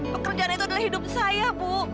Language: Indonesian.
pekerjaan itu adalah hidup saya bu